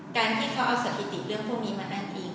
การที่เขาเอาสถิติเรื่องพวกนี้มานั่งทิ้ง